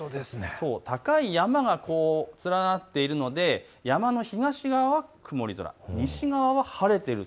高い山が連なっているので山の東側は曇り空、西側は晴れている。